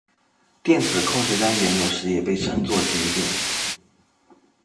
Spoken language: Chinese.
电子控制单元有时也被称作节点。